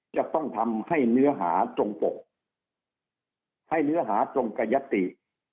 จะต้องทำให้เนื้อหาตรงปกให้เนื้อหาตรงกับยติ